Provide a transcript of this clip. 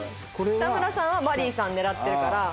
北村さんはマリーさん狙ってるから。